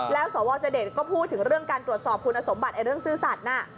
แล้วสวจเดชก็พูดถึงเรื่องการตรวจสอบคุณสมบัติเรื่องซื่อสัตว์น่ะ